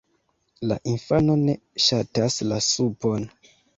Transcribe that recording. La infano ne ŝatas la supon.